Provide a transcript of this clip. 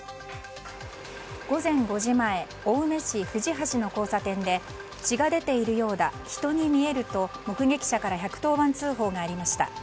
午前５時前青梅市藤橋の交差点で血が出ているようだ人に見えると目撃者から１１０番通報がありました。